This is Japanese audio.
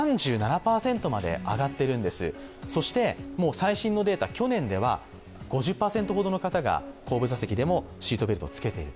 最新のデータ、去年では５０％ほどの方が後部座席でもシートベルトを着けている。